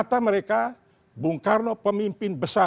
tapi itu ada yang hurtu menurutnya